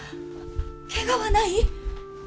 ケガはない？